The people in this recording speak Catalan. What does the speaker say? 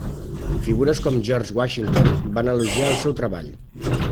Figures com George Washington van elogiar el seu treball.